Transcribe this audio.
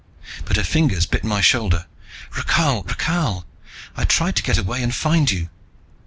But her fingers bit my shoulder. "Rakhal, Rakhal, I tried to get away and find you.